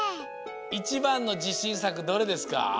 いちばんのじしんさくどれですか？